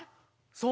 そう。